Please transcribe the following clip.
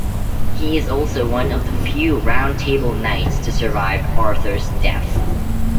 He is also one of the few Round Table knights to survive Arthur's death.